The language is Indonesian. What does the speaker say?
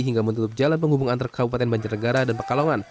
hingga menutup jalan penghubung antar kabupaten banjarnegara dan pekalongan